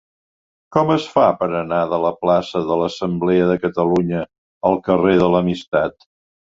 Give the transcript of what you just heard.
Com es fa per anar de la plaça de l'Assemblea de Catalunya al carrer de l'Amistat?